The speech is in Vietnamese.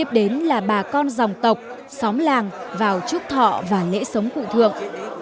đến là bà con dòng tộc xóm làng vào trúc thọ và lễ sống cụ thượng